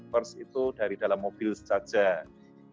dan kemudian kita juga mengambil pilihan dari mobil saja